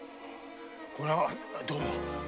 これはどうも。